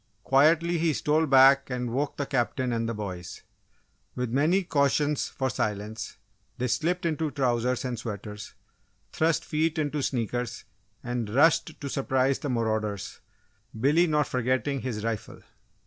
Quietly he stole back and woke the Captain and the boys. With many cautions for silence, they slipped into trousers and sweaters, thrust feet into sneakers, and rushed to surprise the marauders Billy not forgetting his rifle.